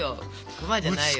熊じゃないよ。